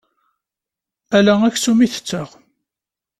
Ala aksum i tetteɣ.